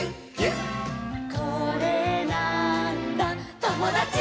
「これなーんだ『ともだち！』」